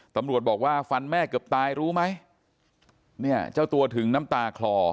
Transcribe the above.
ตำรวจบอกว่าฟันแม่เกือบตายรู้ไหมเนี่ยเจ้าตัวถึงน้ำตาคลอ